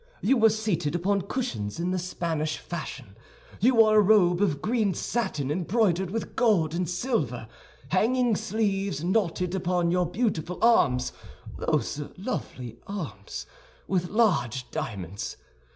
You were seated upon cushions in the Spanish fashion; you wore a robe of green satin embroidered with gold and silver, hanging sleeves knotted upon your beautiful arms—those lovely arms—with large diamonds.